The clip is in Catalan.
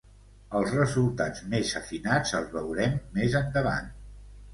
Els resultats més afinats els veurem més endavant.